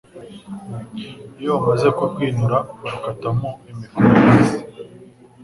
Iyo bamaze kurwinura barukatamo imikoba maze